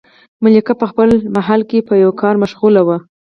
ملکه په خپل محل کې په یوه کار مشغوله وه.